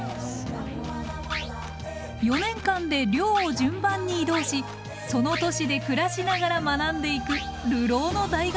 ４年間で寮を順番に移動しその都市で暮らしながら学んでいく流浪の大学なんです。